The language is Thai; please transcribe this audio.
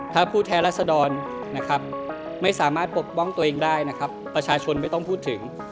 ถ้าผู้แท้รัศดรไม่สามารถปกป้องตัวเองได้ประชาชนไม่ต้องพูดถึง